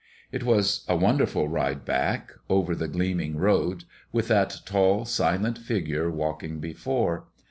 It was a wonderful ride back, over the gleaming road, with that tall, silent figure walking before.